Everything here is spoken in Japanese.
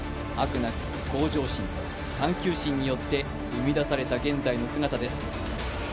なき向上心探究心によって生み出された現在の姿です。